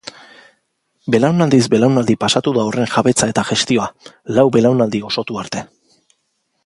Belaunaldiz belaunaldi pasatu da horren jabetza eta gestioa, lau belaunaldi osotu arte.